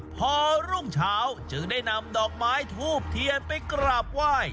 พอรุ่งเช้าจึงได้นำดอกไม้ทูบเทียนไปกราบไหว้